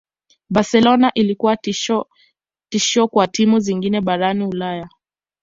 Barcelona ilikuwa tishio kwa timu zingine barani ulaya